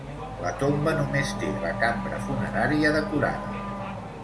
La tomba només té la cambra funerària decorada.